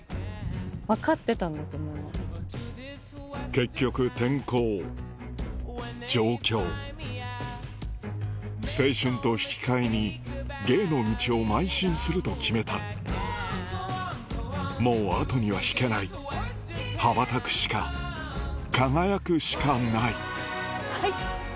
結局転校上京青春と引きかえに芸の道をまい進すると決めたもう後には引けない羽ばたくしか輝くしかないはい！